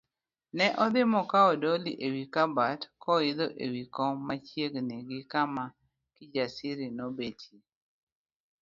Ne odhi mokawo doli ewi kabat koidho ewi kom machiegni gi kama Kijasiri nobetie.